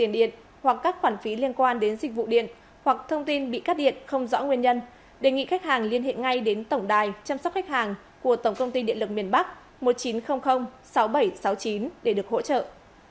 đề nghị khách hàng liên hệ ngay đến tổng đài chăm sóc khách hàng của tổng công ty điện lực miền bắc một chín không không sáu bảy sáu chín để được hỗ trợ